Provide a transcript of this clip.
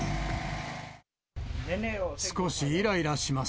少しいらいらします。